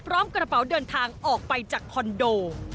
กระเป๋าเดินทางออกไปจากคอนโด